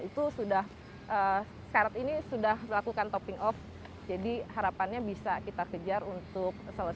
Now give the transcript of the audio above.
itu sudah sekarang ini sudah melakukan topping off jadi harapannya bisa kita kejar untuk selesai di maret dua ribu dua puluh satu